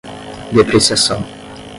depreciação